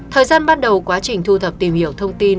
thời gian ban đầu quá trình thu thập tìm hiểu thông tin